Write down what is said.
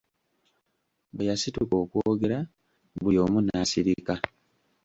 Bwe yasituka okwogera, buli omu n'asirika.